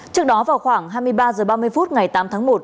trước đó vào khoảng hai mươi ba h ba mươi phút ngày tám tháng một